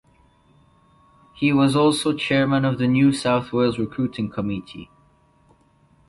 He was also chairman of the New South Wales Recruiting Committee.